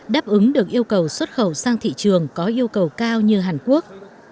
đáp ứng được yêu cầu xuất khẩu sang thị trường có yêu cầu cao như hàn quốc